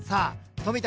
冨田